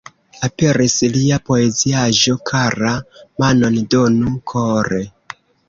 Aperis lia poeziaĵo "Kara, manon donu kore!